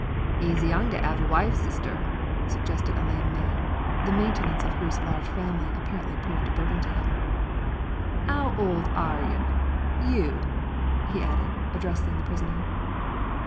"'E's young to 'ave a wife, Sister," suggested a lame man, the maintenance of whose large family apparently proved a burden to him. "'Ow old are yer? You?" he added, addressing the prisoner.